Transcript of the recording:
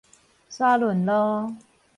沙崙路